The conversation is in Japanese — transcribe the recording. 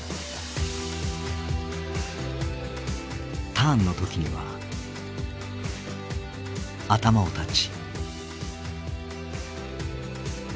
ターンの時には頭をタッチ。